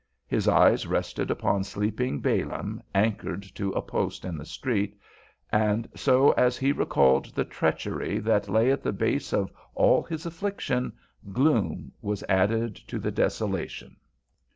His eye rested upon sleeping Balaam anchored to a post in the street, and so as he recalled the treachery that lay at the base of all his affliction, gloom was added to the desolation.